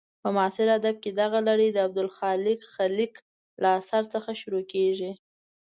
په معاصر ادب کې دغه لړۍ د عبدالخالق خلیق له اثر څخه شروع کېږي.